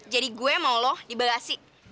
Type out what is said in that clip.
jadi gue mau lo di bagasi